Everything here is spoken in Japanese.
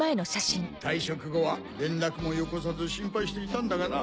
退職後は連絡もよこさず心配していたんだがな。